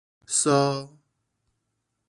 挲